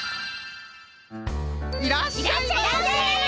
いらっしゃいませ！